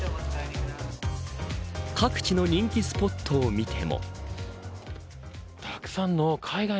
各地の人気スポットを見ても。